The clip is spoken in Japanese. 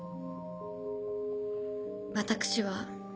私は。